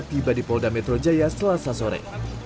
tiba di polda metro jaya selasa sore